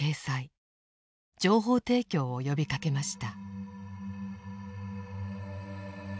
情報提供を呼びかけました。